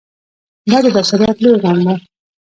دا د بشریت لوی غم و.